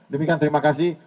demikian terima kasih